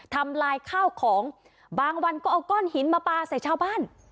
ทำลายข้าวของบางวันก็เอาก้อนหินมาปลาใส่ชาวบ้าน